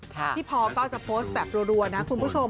พี่พอก็จะโพสต์แบบรัวนะคุณผู้ชม